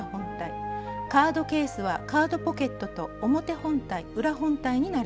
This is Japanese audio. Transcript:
カードケースはカードポケットと表本体裏本体になります。